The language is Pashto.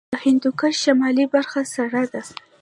د هندوکش شمالي برخه سړه ده